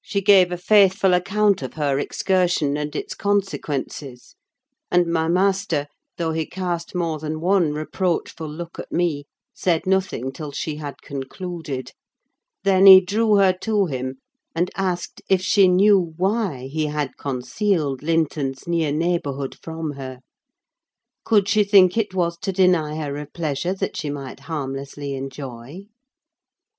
She gave a faithful account of her excursion and its consequences; and my master, though he cast more than one reproachful look at me, said nothing till she had concluded. Then he drew her to him, and asked if she knew why he had concealed Linton's near neighbourhood from her? Could she think it was to deny her a pleasure that she might harmlessly enjoy?